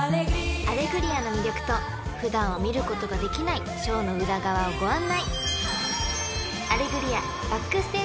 ［『アレグリア』の魅力と普段は見ることができないショーの裏側をご案内！］